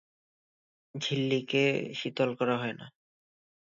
ঝিল্লিকে শীতল করা হয় না।